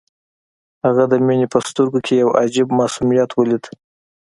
هغه د مينې په سترګو کې يو عجيب معصوميت وليد.